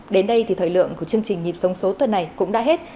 đến đây thì thời lượng của chương trình nhịp sống số tuần này cũng đã hết